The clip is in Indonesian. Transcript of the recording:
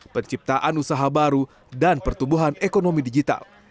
penciptaan usaha baru dan pertumbuhan ekonomi digital